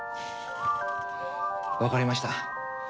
わかりました。